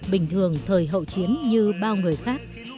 bình thường thời hậu chiến như bao người khác